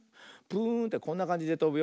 プーンってこんなかんじでとぶよ。